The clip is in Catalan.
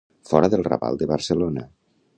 Fora del Raval de Barcelona.